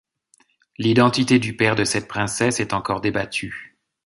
L'identité du père de cette princesse est encore débattue.